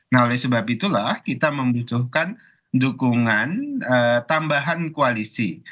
nah oleh sebab itulah kita membutuhkan dukungan tambahan koalisi